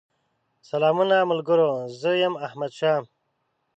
سلامونه ملګرو! زه يم احمدشاه